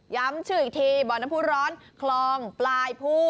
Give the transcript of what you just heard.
ชื่ออีกทีบ่อน้ำผู้ร้อนคลองปลายผู้